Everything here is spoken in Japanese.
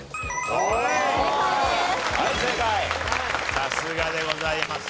さすがでございます。